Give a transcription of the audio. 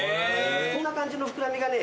こんな感じの膨らみがね